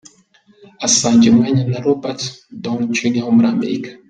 Asangiye umwanya na Robert Downey Jr, wo muri Amerika.